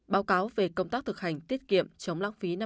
báo cáo về công tác thực hành tiết kiệm chống lãng phí năm hai nghìn hai mươi